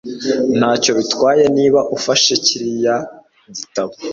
ntacyo bitwaye niba ufashe kiriya gitabo